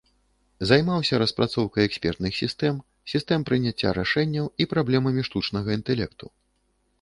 Займаўся распрацоўкай экспертных сістэм, сістэм прыняцця рашэнняў і праблемамі штучнага інтэлекту.